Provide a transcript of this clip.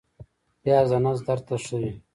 پیاز د نس درد ته ښه وي